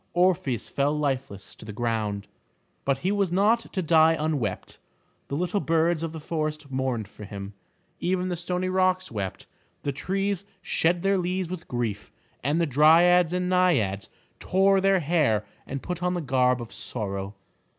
Orpheus fell lifeless to the ground. But he was not to die unwept. The little birds of the forest mourned for him, even the stony rocks wept, the trees shed their leaves with grief, and the dryads and naiads tore their hair and put on the garb of sorrow.